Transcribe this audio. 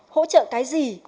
hỗ trợ cái gì